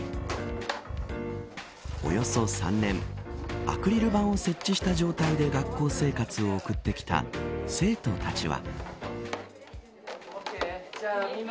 およそ３年アクリル板を設置した状態で学校生活を送ってきた生徒たちは。